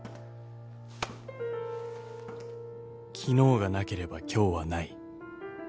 ［昨日がなければ今日はない］